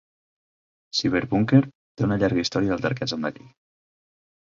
CyberBunker té una llarga història d'altercats amb la llei.